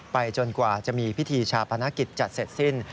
จนกว่าจะมีพิธีชาปนกิจจัดเสร็จสิ้น